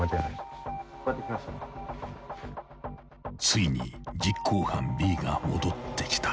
［ついに実行犯Ｂが戻ってきた］